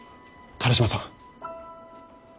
田良島さん。